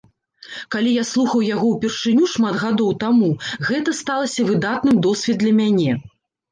Калі я слухаў яго ўпершыню шмат гадоў таму, гэта сталася выдатным досвед для мяне.